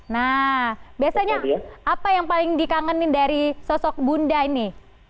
nah biasanya apa yang paling dikangenin dari sosok bunda ini